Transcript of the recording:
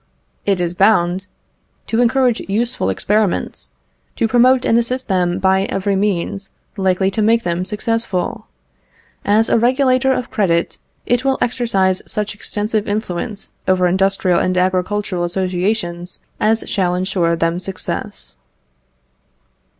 It is bound "To encourage useful experiments, to promote and assist them by every means likely to make them successful. As a regulator of credit, it will exercise such extensive influence over industrial and agricultural associations, as shall ensure them success."